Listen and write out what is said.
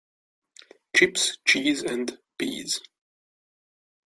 Chips, cheese and peas.